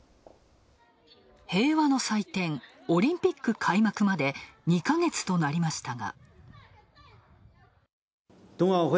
平和の祭典、オリンピック開幕まで、２ヶ月となりましたが。